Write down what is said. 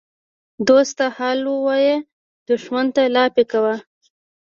ـ دوست ته حال وایه دښمن ته لافي کوه.